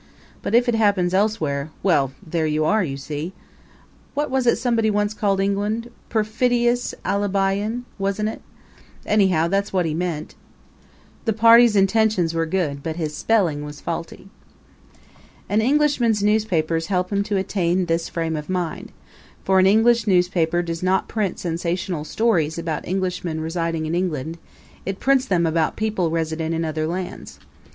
But if it happens elsewhere well, there you are, you see! What was it somebody once called England Perfidious Alibi in', wasn't it? Anyhow that was what he meant. The party's intentions were good but his spelling was faulty. An Englishman's newspapers help him to attain this frame of mind; for an English newspaper does not print sensational stories about Englishmen residing in England; it prints them about people resident in other lands.